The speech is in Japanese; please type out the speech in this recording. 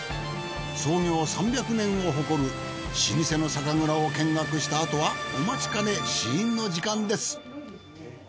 創業３００年を誇る老舗の酒蔵を見学したあとはお待ちかね試飲の時間です。